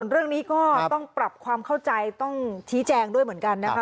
เรื่องนี้ก็ต้องปรับความเข้าใจต้องชี้แจงด้วยเหมือนกันนะคะ